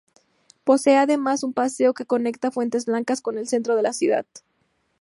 Posee además un paseo que conecta Fuentes Blancas con el centro de la ciudad.